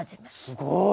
すごい！